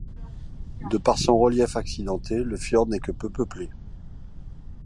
De par son relief accidenté, le fjord n'est que peu peuplé.